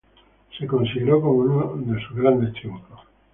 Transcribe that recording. Se consideró como uno de sus grandes triunfos.